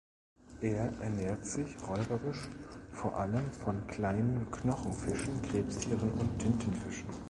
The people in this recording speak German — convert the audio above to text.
Er ernährt sich räuberisch vor allem von kleinen Knochenfischen, Krebstieren und Tintenfischen.